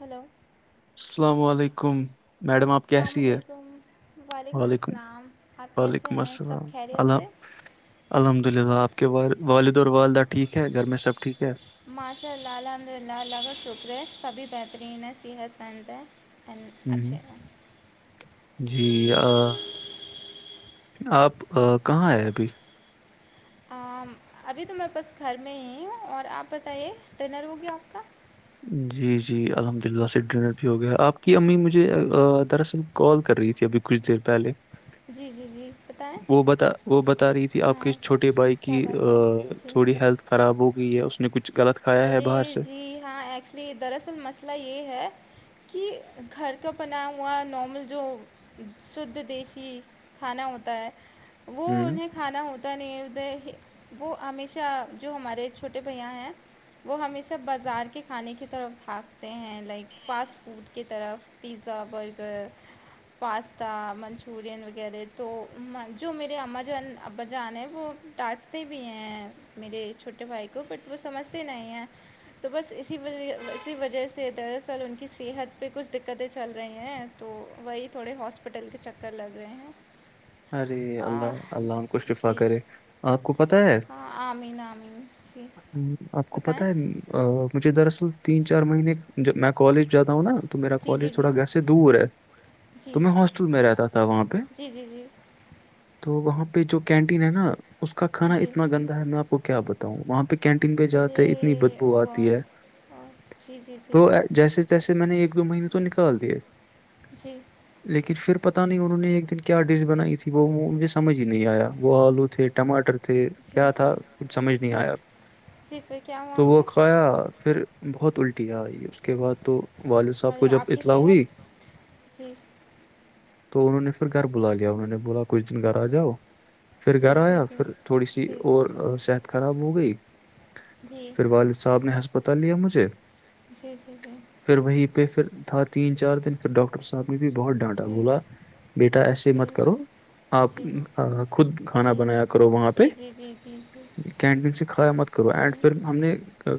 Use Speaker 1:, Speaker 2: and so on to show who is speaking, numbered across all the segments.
Speaker 1: Hello
Speaker 2: السلام علیکم madam آپ کی
Speaker 1: السلام
Speaker 2: یہ
Speaker 1: علیکم
Speaker 2: وعلیکم
Speaker 1: السلام آپ کیسے
Speaker 2: وعلیکم
Speaker 1: ہیں سب
Speaker 2: السلام
Speaker 1: خیریت سے
Speaker 2: علیکم الحمد للہ آپ کے وال والد اور والدہ ٹھیک ہے گھر میں سب ٹھیک ہے
Speaker 1: ماشاء اللہ الحمد للہ اللہ کا شکر ہے سبھی بہترین ہے صحت مند ہے این اچھا
Speaker 2: ہوں جی آپ کہاں آئے ابھی
Speaker 1: ابھی تو میںیرے پاس گھر میں ہی ہوں اور آپ بتائیے ڈنر ہوگیا آپ کا
Speaker 2: جی جی الحمد للہ سے ڈنر بھی ہو گیا آپ کی امی مجھے دراصل کال کر رہی تھی ابھی کچھ دیر پہلے
Speaker 1: جی جی جی بتائیں
Speaker 2: وہ بتا وہ بتا رہی تھی آپ کے
Speaker 1: ہاں
Speaker 2: چھوٹے بھائی
Speaker 1: کیا
Speaker 2: کی
Speaker 1: بات ہے جی
Speaker 2: تھوڑی ہیلتھ خراب ہو گئی ہے اس نے کچھ غط
Speaker 1: اجے جی ہاں ایکچولی دراصل مسئلہ یہ ہے کہ گھر کا بنااہ ہوا نارمل جو شدھ دیسی کھانا ہوتا ہے وہ
Speaker 2: ہوں
Speaker 1: انیں کھانا ہوتا نہیں ہے ادھر وہ ہمیشہ جو ہمارے چھوٹے بھیا ہیں وہ ہمیں سب بازار کے کھانے کی طرف بھاگتے ہیں لائک فاسٹ فوڈ کی طرف پیزا برگر پاستا منچورین وغیرہ تو جو میرے اما جان ابا جان ہیں وہ ٹانٹتے بھی ہیں میرے چھوٹے بھائی کو بٹ وہ سمجھتے نہیں ہیں تو بس اسیج اسی وجہ سے دراصل ان کی صحت پہ کچھ دقتیں چل رہی ہیں تو وہی تھوڑے ہاسپٹل کے چکر لگ رہئے ہیں
Speaker 2: ارے
Speaker 1: آ,
Speaker 2: اللہ اللہ ان کو شفا
Speaker 1: جی
Speaker 2: کرے آپ کو پتا ہے
Speaker 1: ہاں آمین آمین جی
Speaker 2: آپ کو پتا
Speaker 1: بتائیں
Speaker 2: ہے مجھے دراصل تین چار مہینے میں کالج جاتا ہوں نا میرا
Speaker 1: جی
Speaker 2: کالج
Speaker 1: جی جی
Speaker 2: تھوڑا گر دور ہے
Speaker 1: جی
Speaker 2: تو میں ہاسٹل میں رہتا تھا وہاں پہ
Speaker 1: جی جی جی
Speaker 2: تو وہاں پہ جو کینٹین ہے نا اس کا کانا
Speaker 1: جی
Speaker 2: اتنا گندا ہے میں آپ کو کیا بتاؤں وہاں پہ کینٹین پہ جاتے اتنی
Speaker 1: ارے
Speaker 2: بدبو
Speaker 1: او
Speaker 2: آتی ہے
Speaker 1: گاڈ آ، جی جی جی
Speaker 2: تو جیسے تیسے میں نے ایک دو مہینے تو نکال دیے
Speaker 1: جی
Speaker 2: لیکن پھر پتہ نہیں انہوں نے ایک دن کیا ڈش بنائی تھی وہ مجھے سمجھ ہی نہیں آیا وہ آلو تھے ٹماٹر تھے
Speaker 1: جی
Speaker 2: کیا
Speaker 1: جی
Speaker 2: تھا کچھ سمجھ نہیں آیا
Speaker 1: جی پھر کیا
Speaker 2: تو وہ
Speaker 1: مانگے
Speaker 2: کایا پھر بہت الٹی آئی اس کے بعد تو والد صاحب
Speaker 1: اور
Speaker 2: کو
Speaker 1: یہ
Speaker 2: جب
Speaker 1: آپ کی
Speaker 2: اطلاع ہوئی
Speaker 1: صحت جی
Speaker 2: تو انہوں نے پھر گھر بلا لیا انہوں نے بولا کچھ دن گھر آ جاؤ پھر گھر
Speaker 1: جی جی
Speaker 2: آیا
Speaker 1: جی
Speaker 2: پھر تھوڑی سی
Speaker 1: جی
Speaker 2: اور صحت خراب ہو گئی
Speaker 1: جی
Speaker 2: پھر والد صاحب نے ہسپتال لیا مجھے
Speaker 1: جی جی
Speaker 2: پھر وہیں پہ پھر تھا تین چار دن پھر ڈاکٹر صاحب نے بھی بہت ڈانٹا
Speaker 1: جی
Speaker 2: بولا بیٹا ایسے
Speaker 1: جی
Speaker 2: مت
Speaker 1: جی
Speaker 2: کرو آپ
Speaker 1: جی
Speaker 2: خود کھانا بنایا کرو وہاں
Speaker 1: جی
Speaker 2: پہ
Speaker 1: جی جی جی جی جی جی جی جی جی جی
Speaker 2: کینٹین سے کھایا مت کرو اینڈ پھر ہم نے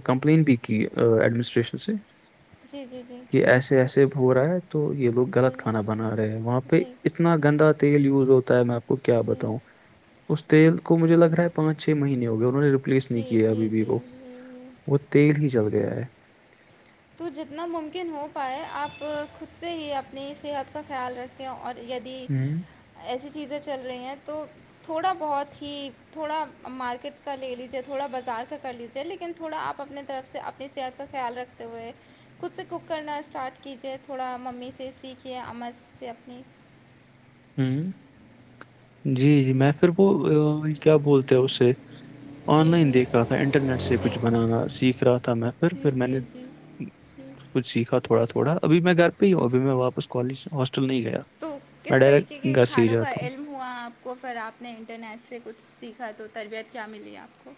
Speaker 2: کمپلین بھی کی ایڈمنسٹریشن سے
Speaker 1: جی جی جی
Speaker 2: کہ ایسے ایسے ہو رہا ہے تو یہ لوگ غلط کھانا
Speaker 1: جی
Speaker 2: بنا رہے ہیں وہاں پہ
Speaker 1: جی
Speaker 2: اتنا گندا تیل یوز ہوتا ہے میں آپ کو کیا بتاؤں اس تیل کو مجھے لگ رہا ہے پانچ چھ مہینے ہو گیا انہوں نے ریپلیس نہیں کیا
Speaker 1: جی
Speaker 2: ابھی بھی
Speaker 1: جی
Speaker 2: وہ وہ تیل ہی چل گیا ہے
Speaker 1: تو جتنا ممکن ہو پائے آپ خود سے ہی اپنی صحت کا خیال رکھ اور یدی
Speaker 2: ہوں
Speaker 1: ایسی چیزیں چل رہی ہیں تو تھوڑا بہت ہی تھوڑا مارکیٹ کا لے لیجے تھوڑا بازار کا کر لیجیے لیکن تھوڑا آپ اپنے طرف سے اپنی صحت کا خیال رکھتے ہوئے خچود سے کوک کرنا اسٹارٹ کیجے تھوڑا ممی سے سیکھھیے اما سے اپنی
Speaker 2: ہوں جی جی میں پھر وہ کیا بولتے ہیں اس سے آن
Speaker 1: جی
Speaker 2: لائن دیکھ رہا
Speaker 1: جی
Speaker 2: تھا انٹرنیٹ سے
Speaker 1: جی
Speaker 2: کچھ بنانا سیکھ رہا تھا میں پھر پھر میں نے
Speaker 1: جی
Speaker 2: کچھ سیکھا تھوڑا تھوڑا ابھی میں گھر پہ ہی ہوں ابھی میں واپس کالج ہاسٹل نہیں گیا
Speaker 1: تو کس
Speaker 2: میں
Speaker 1: طریقے
Speaker 2: ڈائریکٹ
Speaker 1: کے
Speaker 2: گھر سے ہی
Speaker 1: کھانوں کا
Speaker 2: جاتا ہوں
Speaker 1: علم ہوا آپ کو پھر آپ نے انٹرنیٹ سے کچھ سیکھا تو تربیعت کیا ملی آپ کو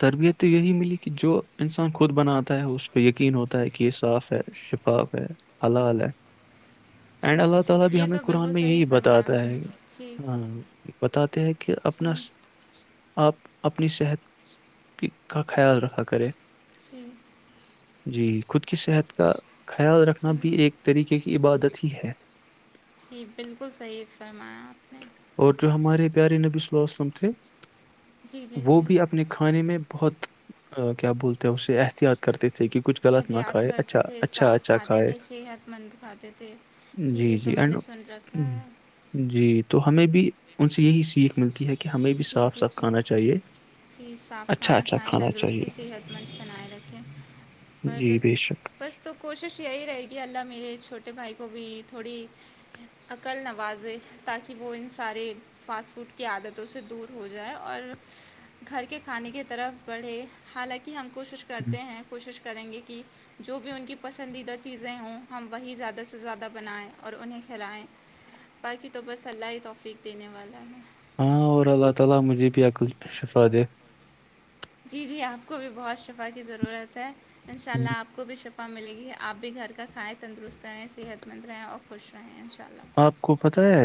Speaker 2: تربیت تو یہی ملی کہ جو انسان خود بناتا ہے اس پہ یقین ہوتا ہے کہ یہ صاف ہے شفاف ہے حلال ہے اینڈ
Speaker 1: جی
Speaker 2: اللہ تعالی بھی
Speaker 1: یہ
Speaker 2: ہمیں
Speaker 1: تو
Speaker 2: قران
Speaker 1: بالکل
Speaker 2: میں
Speaker 1: صحیح
Speaker 2: یہی
Speaker 1: فرمایا
Speaker 2: بتاتا
Speaker 1: آپ نے جی
Speaker 2: ہے بتاتے ہیں کہ اپنا
Speaker 1: جی
Speaker 2: آپ اپنی صحت کا خیال رکھا کرے
Speaker 1: جھی
Speaker 2: جی خود کی صحت کا خیال رکھنا
Speaker 1: جی
Speaker 2: بھی ایک طریقے کی عبادت ہی ہے
Speaker 1: جی بالکل صحیح فرمایا آپ نے
Speaker 2: اور جو ہمارے پیارے نبی صلی اللہیہ وسلم تھے
Speaker 1: جی جی
Speaker 2: وہ
Speaker 1: جی
Speaker 2: بھی اپ اپنے کھانے میں بہت کیا بولتے ہیں اسے احتیاط کرتے تھے کہ کچھ غلط نہ
Speaker 1: احتیاط
Speaker 2: کھائے اچھا
Speaker 1: کرتے تھے
Speaker 2: اچھا
Speaker 1: صاف
Speaker 2: اچھا
Speaker 1: کھاتے
Speaker 2: کھائے
Speaker 1: تھے صحت مند کھاتے تھے جی یہ تو میں نے سن رکھا ہے
Speaker 2: جی تو ہمیں بھی ان سے یہی سیکھ ملتی ہے کہ ہمیں بھی صاف صاف کھانا چاہیے
Speaker 1: چیز صاف
Speaker 2: اچھا
Speaker 1: کھانا
Speaker 2: اچھا
Speaker 1: کھائیں تندرستی
Speaker 2: چاہیے
Speaker 1: صحت مند بنائے رکھیں پر
Speaker 2: جی بے شک
Speaker 1: بس تو کوشش یہی رہے گی اللہ میرے چھوٹے بھائی کو بھی تھوڑی عقل نوازے تاکہ وہ ان سارے فاسٹ فوڈ کو کی عادتوں سے دور ہو جائے اور گھر کے کھانے کی طرف بڑھے حالانکہ ہم کوشش
Speaker 2: ہوں۔
Speaker 1: کرتے ہیں کوشش کریں گے کہ جو بھی ان کی پسندیدہ چیزیں ہوں ہم وہی زیادہ سے زیادہ بنائیں اور انہیں کھلائیں باقی تو بس اللہ ہی توفیق دینے والا ہے
Speaker 2: ہاں اور اللہ تعالی مجھے بھی عقل شفا دے
Speaker 1: جی جی آپ کو بھی بہت شفا کی ضرورت ہے انشاء
Speaker 2: ہوں۔
Speaker 1: اللہ آپ کو بھی شفا ملے گی آپ بھی گھر کا کھائیں تندرست رہیں صحت مند رہیں اور خوش رہیں انشاء اللہ
Speaker 2: آپ کو پت ہے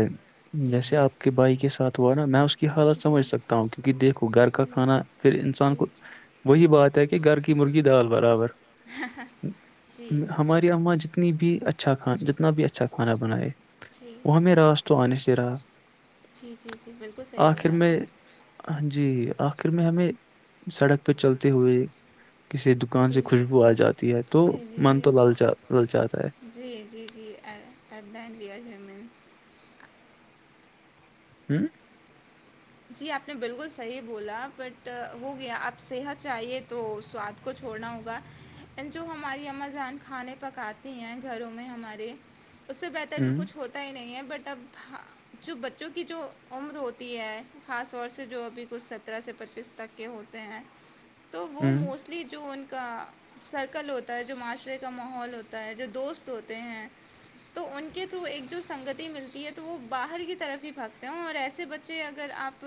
Speaker 2: جیسے آپ کے بھائی کے ساتھ ہوا نا میں اس کی حالت
Speaker 1: جی جی
Speaker 2: سمجھ سکتا ہوں کیونکہ دیکھو گھر کا
Speaker 1: جی
Speaker 2: کھانا پھر انسان
Speaker 1: جی
Speaker 2: کو وہی بات ہے کہ گھر کی مرغی دال برابر
Speaker 1: جی
Speaker 2: م- ہماری اما جتنی بھی اچھا کھانا جتنا بھی اچھا کھانا بنائے
Speaker 1: جی
Speaker 2: وہ ہمیں راس تو آنے سے رہا
Speaker 1: جی جی جی بالکل صحیح
Speaker 2: آخر
Speaker 1: بولا آپ
Speaker 2: میں
Speaker 1: نے
Speaker 2: ہاں جی آخر میں ہمیں سڑک پہ چلتے ہوئے کسی دکان سے
Speaker 1: جی
Speaker 2: خوشبو آ جاتی ہے تو
Speaker 1: جی جی
Speaker 2: من
Speaker 1: جی
Speaker 2: تو
Speaker 1: جی
Speaker 2: للچاتا جاتا ہے
Speaker 1: جی جی جی [inaudible]
Speaker 2: ہوں
Speaker 1: جی آپ نے بالکل صحیح بولا بٹ ہو گیا آپ صحت چاہیے تو سواد کو چھوڑنا ہوگا جو ہماری اما جان کھانے پکاتی ہیں گھروں میں ہمارے اس سے بہتر تو
Speaker 2: ہوں
Speaker 1: کچھ ہوتا ہی نہیں ہے بٹ اب جو بچوں کی جو عمر ہوتی ہے خاص طور سے جو ابھی کچھ سترہ سے پچیس تک کے ہوتے ہیں تو وہ
Speaker 2: ہوں
Speaker 1: موسٹلی جو ان کا سرکل ہوتا ہے جو معاشرے کا ماحول ہوتا ہے جو دوست ہوتے ہیں تو ان کے تھرو ایک جو سنگتی ملتی ہے تو وہ باہر کی طرف ہی پھاگتے ہیں اور ایسے بچے اگر آپ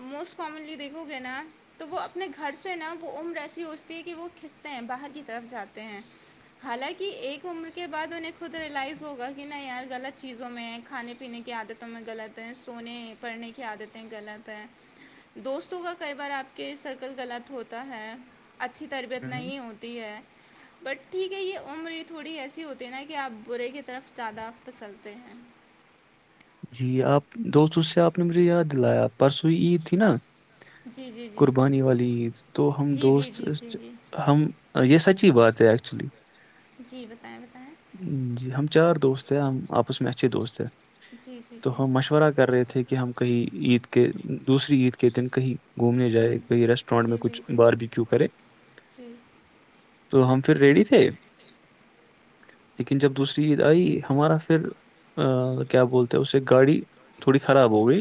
Speaker 1: موسٹ کامنلی دیکھو گے نا تو وہ اپنے گھر سے نا وہ عمر ایسی ہوچتی ہے کہ وہ کھنتے ہیں باہر کی طرف جاتے ہیں حالانکہ ایک عمر کے بعد انہیں خود ریلائز ہوگا کہ نہ یار غلط چیزوں میں کھانے پہ پینے کی عادتوں میں غلط ہے سونے پڑنے کی آدتیں غلط ہیں دوستوں کا کئی بار آپ کے سرکل غلط ہوتا ہے اچھی تربیت
Speaker 2: ہوں
Speaker 1: نہیں ہوتی ہے بٹ ٹھیک ہے یہ عمر تھوڑی ایسی ہوتی ہے نا کہ آپ برے کی طرف زیاادہ پھسلتے ہیں
Speaker 2: جی آپ دوستوں سے آپ نے مجھے یاد دلایا پرسوںئی عید تھی نا
Speaker 1: جی جی جی
Speaker 2: قربانی والی عید تو ہم
Speaker 1: جی جی
Speaker 2: دوست
Speaker 1: جی جی جی
Speaker 2: ہم یہ سچی بات ہے ایکچولی
Speaker 1: جی بتائیں بتائیں
Speaker 2: جی ہم چار دوست ہیں ہم آپس میں اچھے دوست ہیں
Speaker 1: جی جی
Speaker 2: تو
Speaker 1: جی
Speaker 2: ہم مشورہ کر رہے تھے کہ ہم کہیں عید کے دوسری عید کے دن کہیں گھومنے
Speaker 1: جی
Speaker 2: جائے کہئی ریسٹورینٹ میں
Speaker 1: جی جی جی
Speaker 2: کچھ بار بھی کیوں کرے
Speaker 1: جی
Speaker 2: تو ہم پھر ریڈی تھے لیکن جب دوسری عید آئی ہمارا پھر کیا بولتے اسے گاڑی تھوڑی خراب ہو گئی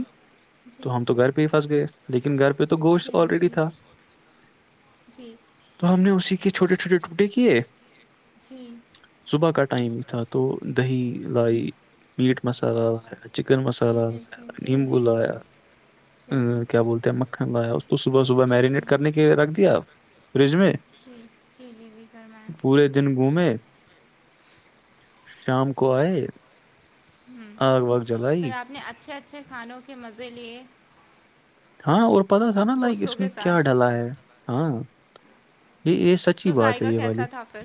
Speaker 1: جی جی
Speaker 2: تو ہم تو گھر پہ ہی پھنس گئے لیکن گھر پہ تو گوشت
Speaker 1: جی جی جی جی جی جی جی جی جی جی جی
Speaker 2: آلرییڈی
Speaker 1: جی
Speaker 2: تھا
Speaker 1: جی
Speaker 2: تو ہم نے اسی کے چھوٹے چھوٹے ٹکڑے کیے
Speaker 1: جی
Speaker 2: صبح کا ٹائم ہی تھا تو دہی لائی میٹ مسالہ آیا چکن مسالہیا نیمبو لایا ا کیا بولتے ہیں مکھن لگایا اس کو صبح صبح میرینیٹ کرنے کے لیے رکھ دیا آپ فریج میں
Speaker 1: پھر کے لیے بھی کررمائیں
Speaker 2: جن گھوم شام کو آئے
Speaker 1: ہ
Speaker 2: آگ واگ
Speaker 1: س
Speaker 2: جلائی
Speaker 1: آپ نے اچھے اچھے کھانوں کے مزے لیے
Speaker 2: ہاں اور پتا تھا نا لائک
Speaker 1: دوستوں
Speaker 2: اس میں
Speaker 1: کے
Speaker 2: کیا
Speaker 1: ساتھ
Speaker 2: ڈلا ہے ہاں یہ یہ سچ اچھی
Speaker 1: تو
Speaker 2: بات ہے
Speaker 1: ذائقہ
Speaker 2: یہ والی
Speaker 1: کیسا تھا پھر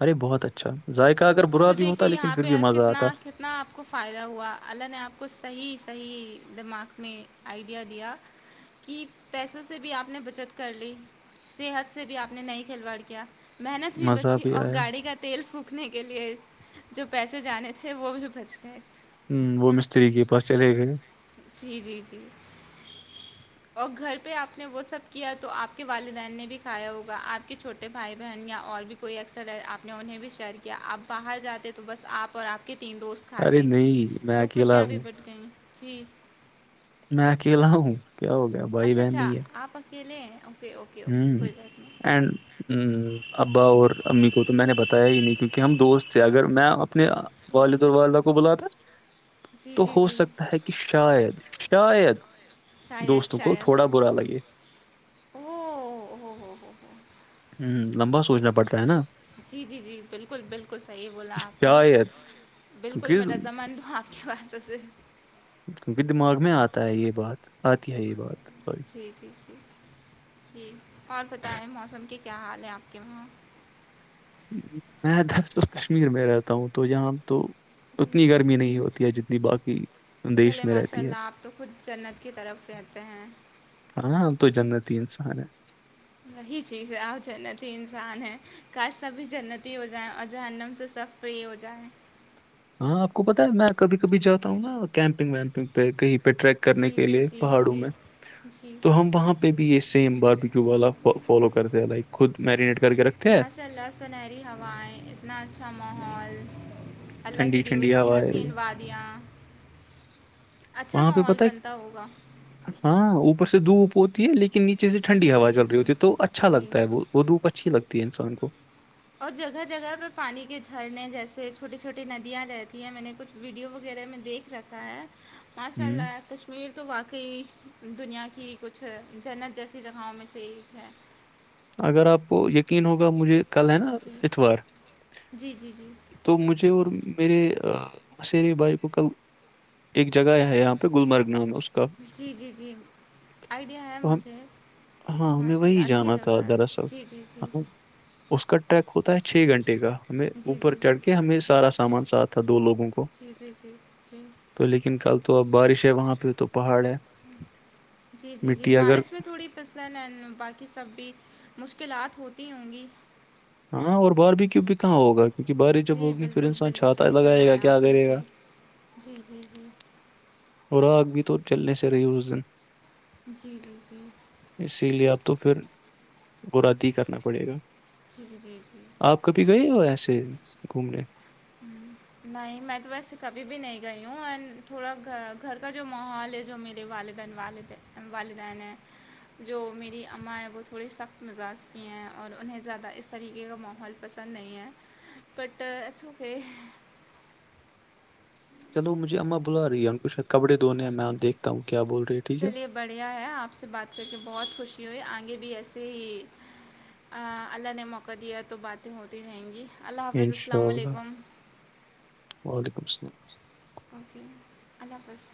Speaker 2: ارے بہت اچھا ذائقہ اگر برا بھی ہوتا لیکن پھر بھی مزہ آتا
Speaker 1: اتنا آپ کو فائدہ ہوا اللہ نے آپ کو صحیح صحیح دماغ میں آئیڈیا دیا کہ پیسوں سے بھی آپ نے بچت کر لی صحت سے بھی آپ نے نہیں کھلواڑ کیا محنت بھی
Speaker 2: مزہ
Speaker 1: بچی اور
Speaker 2: آیا
Speaker 1: گاڑی کا تیل پھونکنے کے لیے جو پیسے جانے تھے وہ بھی بچ گئے
Speaker 2: ہ وہ مستری کے پاس چلے گئے
Speaker 1: جی جی جی
Speaker 2: [inaudible]
Speaker 1: اور گھر پہ آپ نے وہ سب کیا تو آپ کے والدین نے بھی کھایا ہوگا آپ کے چھوٹے بھائی بہن یا اور بھی کوئی ایکسٹر آپ نے انہیں بھی شیئر کیا آپ باہر جاتے تو بس آپ اور آپ کے تین دوست
Speaker 2: ارے
Speaker 1: کھاتے
Speaker 2: نہیں میں
Speaker 1: تو
Speaker 2: اکیلا
Speaker 1: خوشیاں بھی
Speaker 2: ہوں
Speaker 1: بٹ گئیں جی
Speaker 2: میں کہ گلاا ہوں کیا ہوگا
Speaker 1: اچھا اچھا آپ اکیلے ہیں اوکے اوکے اوکے کوئی بات نہیں
Speaker 2: این ہ ابا اور امی کو تو میں نے بتایا ہی نہیں کیونکہ ہم دوست تھے اگر میں اپنے
Speaker 1: جی
Speaker 2: والد اور والد کو بلاتا
Speaker 1: جی
Speaker 2: تو
Speaker 1: جی
Speaker 2: ہو
Speaker 1: جی
Speaker 2: سکتا ہے کہ کہ شاید شاید
Speaker 1: شاید
Speaker 2: دوستوں کو
Speaker 1: شاید
Speaker 2: تھوڑا برا لگے
Speaker 1: ہو ہو ہو ہو
Speaker 2: ہوں لمبا سوچنا پڑتا ہے نا
Speaker 1: جی جی جی بالکل بالکل صحیح بولا
Speaker 2: کہ
Speaker 1: آپ نے
Speaker 2: شاید
Speaker 1: بالکل میں
Speaker 2: کیونکہ
Speaker 1: رضامند ہوں آپ کے باتوں سے
Speaker 2: کیونکہ دماغ میں آتا ہے یہ بات آتی ہے یہ بات سی
Speaker 1: جی جی جی جی اور بتائیں موسم کے کیا حال ہیں آپ کے وہاں
Speaker 2: میں در کشمیر میں رہتا ہوں تو یہاں تو
Speaker 1: جی
Speaker 2: اتنی گرمی نہیں ہوتی ہے جنی جی باقی دیش
Speaker 1: چلے
Speaker 2: میں
Speaker 1: ماشاء
Speaker 2: رہتی ہے
Speaker 1: اللہ آپ تو خود جنت کی طرف رہتے ہیں
Speaker 2: ہاں تو جنتی انسان ہے
Speaker 1: وہی چیز ہے آ جنتی انسان ہے کا سب بھی جنتی ہو جائےیں اور جہنم سے سب فری ہو جائیں
Speaker 2: ہاں آپ کو پتا ہے میں کبھی کبھی جاتا ہوں نا کیمپنگ ویمپنگ پہ کہیں پہ ٹریک کرنے
Speaker 1: جی
Speaker 2: کے
Speaker 1: جی
Speaker 2: لیے
Speaker 1: جی
Speaker 2: پہاڑوں
Speaker 1: جی
Speaker 2: میں
Speaker 1: جی
Speaker 2: تو ہم وہاں پہ پ بھی یہ سیم باربیکوب والا فالو کرتے لائک خود میرینیٹ کر کے رکھ
Speaker 1: ماشاء اللہ سنہری ہوائیں اتنا اچھا ماحول اللہ کی
Speaker 2: ٹھنڈی
Speaker 1: دیوئی
Speaker 2: ٹھنڈی
Speaker 1: اتنی
Speaker 2: ہوائیں
Speaker 1: حسین وع اچھا
Speaker 2: وہاں پہ
Speaker 1: ماحول
Speaker 2: پتہ ہے
Speaker 1: بنتا ہوگا
Speaker 2: ہاں اوپر سے دھو اوپ ہوتی ہے لیکن نیچے سے ٹھنڈی
Speaker 1: جی
Speaker 2: ہوا
Speaker 1: جی
Speaker 2: چل رہی
Speaker 1: جی
Speaker 2: ہوتی ہے تو اچھا
Speaker 1: جی
Speaker 2: لگتا ہے ب وہ دھپ اچھی لگتی ہے انسان کو
Speaker 1: اور جگہ جگہ پہ پانی کے جھرنے جیسے چھوٹی چھوٹی ندیاں رہتی ہیں میں نے کچھ ویڈیو وغیرہ میں دیکھ رکھا ہے ماشاء
Speaker 2: ہوں
Speaker 1: اللہ کشمیر تو واقعی دنیا کی کچھ جنت جیسی جگہوں میں سے ایک ہے
Speaker 2: اگر آپ کو یقین ہوگا مجھے کل ہے نا
Speaker 1: جی
Speaker 2: اتوار
Speaker 1: جی جی
Speaker 2: تو مجھے اور میرے مسیرے بائی کو کل ایک جگہ ہے یہاں پہ گلممرگ نام ہے اس کا
Speaker 1: جی جی جی آئیڈیا ہے
Speaker 2: تو ہم
Speaker 1: مجھے
Speaker 2: ہاں ہمیں
Speaker 1: ماشاء اللہ
Speaker 2: وہی
Speaker 1: اچھی
Speaker 2: جانا
Speaker 1: ج
Speaker 2: تھا دراصل
Speaker 1: جی جی جی
Speaker 2: ہاں اس کا ٹریک ہوتا ہے چھ گھنٹے کا ہمیں
Speaker 1: جی
Speaker 2: اوپر
Speaker 1: جی جی
Speaker 2: چڑھ کے ہمیں سارا سامان ساتھ تھا دو لوگوں کو
Speaker 1: جی جی جی جی
Speaker 2: تو لیکن کل تو اب بارش ہے وہاں پہ تو پہاڑ ہے
Speaker 1: جی جی جی
Speaker 2: مٹی اگر
Speaker 1: بارش میں تھوڑی پ اس ن باقی سب بھی مشکلات ہوتی ہوں گی
Speaker 2: ہاں اور بار بھی کیوں بھی کہاں ہوگا کیونکہ بارش جب
Speaker 1: جی
Speaker 2: ہوگی پھر
Speaker 1: بالکل
Speaker 2: انسان
Speaker 1: بالکل
Speaker 2: چھاتا
Speaker 1: صحیح
Speaker 2: لگائے گا
Speaker 1: فرمایا
Speaker 2: کیا
Speaker 1: آپ نے
Speaker 2: کرے گا
Speaker 1: جی جی جی جی
Speaker 2: اور آگ بھی تو چلنے سے رہی اس دن
Speaker 1: جی جی جی
Speaker 2: اسی لیے آپ تو پھر براد ہی کرنا پڑے گا
Speaker 1: جی جی جی [unintelligible]
Speaker 2: آپ کبھی گئے ہو ایسے گھومنے [inaudible]
Speaker 1: نہیں میں تو ویسے کبھی بھی نہیں گئی ہوں اینڈ تھوڑا گ گھر کا جو ماحول ہے جو میرے والد دن والدین والدین جو میری اماں ہیں وہ تھوڑے سخت مزاج کی ہیں اور انہیں زیادہ اس طریقے کا ماحول پسند نہیں ہے بٹ ایس کہ
Speaker 2: چلو مجھے اما بلا رہی ہے ان کو شاید کپڑے دونے ہیں میں دیکھتا ہوں کیا بول رہے
Speaker 1: چلیے بڑھیا ہے آپ سے بات کر کے بہت خوشی ہوئی آگے بھی ایسے ہی اللہ نے موقع دیا تو باتیں ہوتی رہیں گی اللہ
Speaker 2: ہے
Speaker 1: حافظ السلام
Speaker 2: انشاءاللہ
Speaker 1: علیکم
Speaker 2: وعلیکم السلام
Speaker 1: اوکے اللہ حافظ [unintelligible]